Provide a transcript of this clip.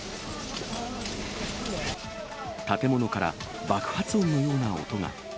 建物から爆発音のような音が。